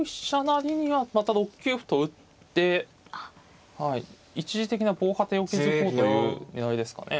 成にはまた６九歩と打って一時的な防波堤を築こうという狙いですかね。